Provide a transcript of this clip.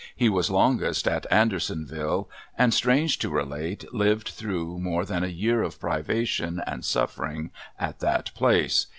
He was longest at Andersonville, and strange to relate, lived through more than a year of privation and suffering at that place.